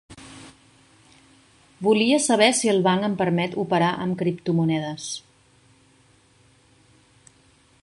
Volia saber si el banc em permet operar amb criptomonedes.